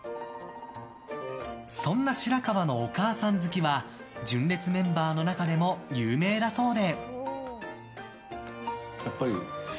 そんな白川のお母さん好きは純烈メンバーの中でも有名だそうで。